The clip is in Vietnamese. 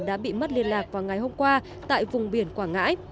đã bị mất liên lạc vào ngày hôm qua tại vùng biển quảng ngãi